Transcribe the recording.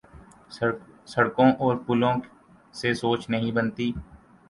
سڑکوں اور پلوں سے سوچ نہیں بنتی۔